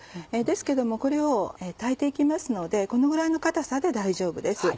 ですけどもこれを炊いて行きますのでこのぐらいの硬さで大丈夫です。